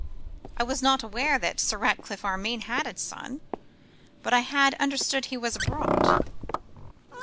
I was not unaware that Sir Ratcliffe Armine had a son, but I had understood he was abroad.